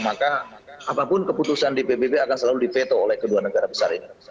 maka apapun keputusan di pbb akan selalu di veto oleh kedua negara besar ini